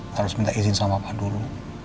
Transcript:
harus minta izin sama papa dulu